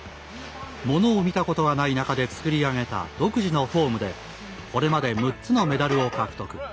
ものを見たことがない中で作り上げた独自のフォームで、これまで６つのメダルを獲得。